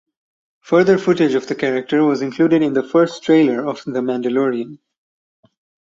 Further footage of the character was included in the first trailer of "The Mandalorian".